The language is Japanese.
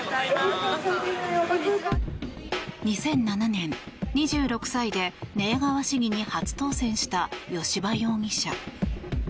２００７年、２６歳で寝屋川市議に初当選した吉羽容疑者。